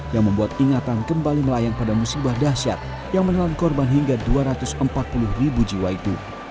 yang membuat ingatan kembali melayang pada musibah dahsyat yang menelan korban hingga dua ratus empat puluh ribu jiwa itu